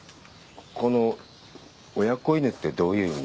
この親子犬ってどういう意味なんですか？